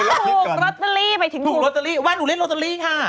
ถูกลอตเตอรี่หมายถึงหนูถูกลอตเตอรี่ว่าหนูเล่นโรตเตอรี่ค่ะ